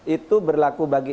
itu berlaku bagi